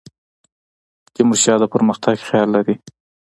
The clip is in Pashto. تیمور شاه د پرمختګ خیال لري.